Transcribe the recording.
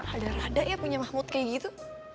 ada rada ya punya mahmud kayak gitu